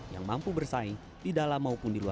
yang mampu bersaing di dalam maupun dunia